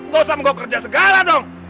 gak usah mogok kerja segala dong